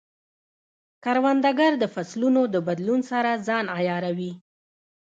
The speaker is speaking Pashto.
کروندګر د فصلونو د بدلون سره ځان عیاروي